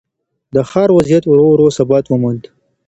د ښار وضعیت ورو ورو ثبات وموند.